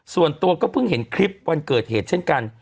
ส่วนตัวก็เพิ่งเห็นคลิปวันเกิดเหตุเช่นกัน